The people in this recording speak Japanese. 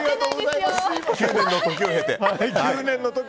９年の時を経て。